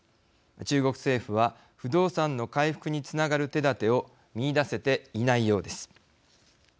中国政府は不動産の回復につながる手だてを見いだせていないようです。